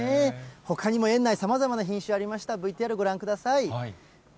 ほかにも園内、さまざまな品種がありました、ＶＴＲご覧ください。